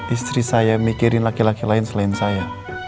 istri saya mikirin laki laki lain selain saya